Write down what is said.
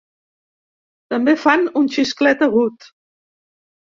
També fan un xisclet agut.